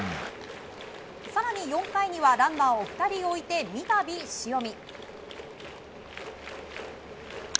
更に４回にはランナーを２人置いてみたび、塩見。